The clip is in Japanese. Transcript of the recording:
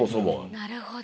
なるほど。